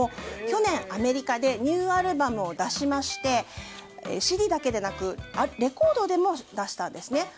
去年アメリカでニューアルバムを出しましてＣＤだけでなくレコードでも出したんですね。